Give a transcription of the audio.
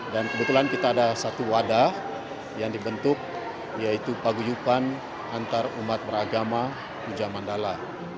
dan kebetulan kita ada satu wadah yang dibentuk yaitu paguyukan antar umat beragama pujamandala